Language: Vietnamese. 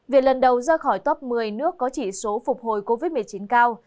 việc lần đầu ra khỏi top một mươi nước có chỉ số phục hồi covid một mươi chín cao